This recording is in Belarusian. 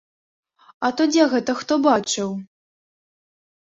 А то дзе гэта хто бачыў!